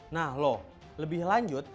nah loh lebih lanjut